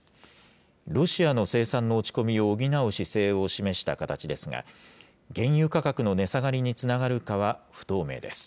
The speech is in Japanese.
ロシアの生産の落ち込みを補う姿勢を示した形ですが、原油価格の値下がりにつながるかは、不透明です。